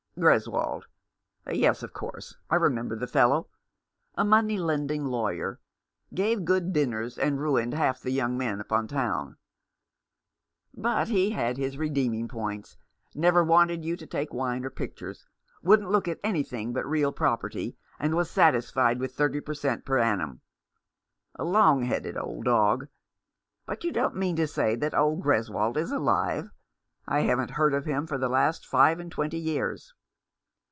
" Greswold ? Yes, of course, I remember the fellow. A money lending lawyer ; gave good dinners and ruined half the young men upon town. But he had his redeeming points — never wanted you to take wine or pictures — wouldn't look at anything but real property, and was satisfied with thirty per cent, per annum. A long headed old dog! But you don't mean to say that old Gres wold is alive ? I haven't heard of him for the last five and twenty years."